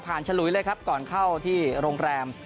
ผ่านชะลุ้ยเลยครับก่อนเข้าที่โรงแรม